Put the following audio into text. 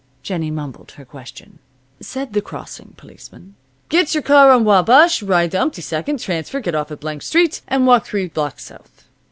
Jennie mumbled her question. Said the crossing policeman: "Getcher car on Wabash, ride to 'umpty second, transfer, get off at Blank Street, and walk three blocks south."